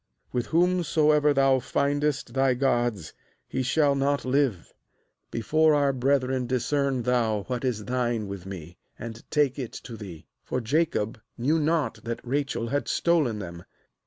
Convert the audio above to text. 32With whomsoever thou findest thy gods, he shall not live; before our brethren discern thou what is thine with me, and take it to thee.' — For Jacob knew not that Rachel had stolen them.